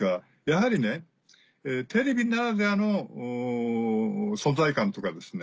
やはりテレビならではの存在感とかですね